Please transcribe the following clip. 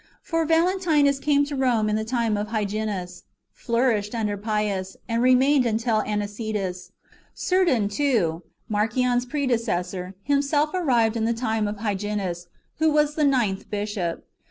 For Valentinus came to Kome in the time of Hyginus, flourished under Pius, and remained until Anicetus. Cerdon, too, Mar cion's predecessor, himself arrived in the time of Hyginus, who was the ninth bishop.